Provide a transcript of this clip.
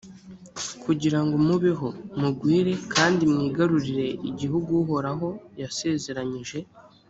kugira ngo mubeho, mugwire kandi mwigarurire igihugu uhoraho yasezeranyije